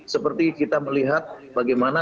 seperti kita melihat bagaimana